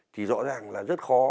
thì rõ ràng là rất khó